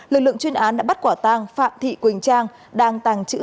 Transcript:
lực lượng chuyên án đã bắt quả tang phạm thị quỳnh trang